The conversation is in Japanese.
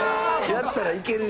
やったらいけるし。